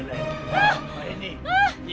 tidak ada yang akan lukai kamu